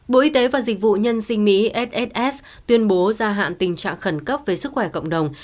bộ y tế và dịch vụ nhân sinh mỹss tuyên bố gia hạn tình trạng khẩn cấp về sức khỏe cộng đồng